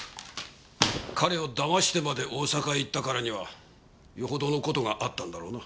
彼を騙してまで大阪へ行ったからにはよほどの事があったんだろうな？